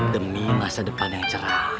demi masa depan yang cerah